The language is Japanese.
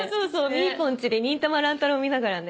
みーぽん家で『忍たま乱太郎』見ながらね。